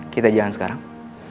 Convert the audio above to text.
kita jalan sekarang